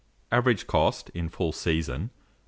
Average cost, in full season, 5s.